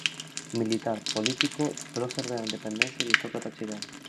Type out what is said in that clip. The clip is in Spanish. Militar, político, prócer de la Independencia y aristócrata chileno.